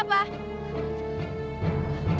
jangan jangan ibu gue disini juga ya